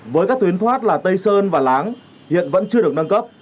với các tuyến thoát là tây sơn và láng hiện vẫn chưa được nâng cấp